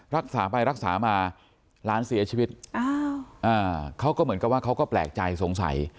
รักษาไปรักษามาหลานเสียชีวิตเขาก็เหมือนกับว่าเขาก็แปลกใจสงสัย